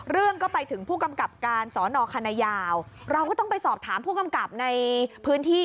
เรื่องก็ไปถึงผู้กำกับการสอนอคณะยาวเราก็ต้องไปสอบถามผู้กำกับในพื้นที่